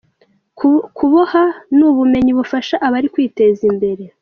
Kuboha n'ubumenyi bufasha abali kwiteza imbere.